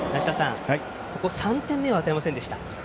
ここ３点目は与えませんでした。